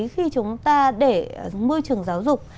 khi chúng ta để môi trường giáo dục